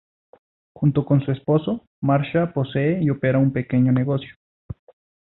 Junto con su esposo, Marsha posee y opera un pequeño negocio.